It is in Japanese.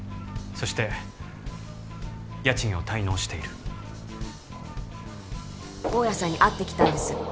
そして家賃を滞納している大家さんに会ってきたんです